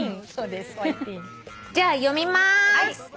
じゃあ読みまーす。